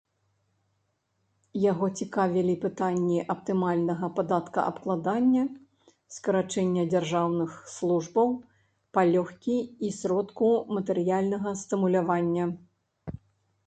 Яго цікавілі пытанні аптымальнага падаткаабкладання, скарачэння дзяржаўных службаў, палёгкі і сродку матэрыяльнага стымулявання.